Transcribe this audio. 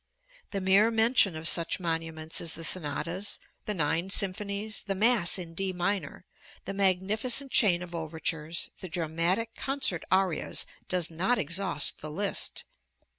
The mere mention of such monuments as the sonatas, the nine symphonies, the Mass in D minor, the magnificent chain of overtures, the dramatic concert arias, does not exhaust the list.